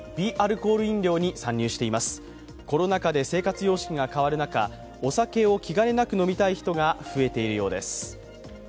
コロナ禍で生活様式が変わる中、お酒を気兼ねなく飲みたい人が増えているようです。